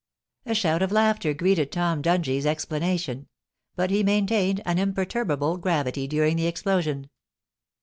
A shout of laughter greeted Tom Dungie's explanation ; but he maintained an imperturbable gravity during the explosion.